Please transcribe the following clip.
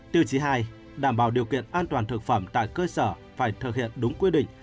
tiêu chí hai đảm bảo điều kiện an toàn thực phẩm tại cơ sở phải thực hiện đúng quy định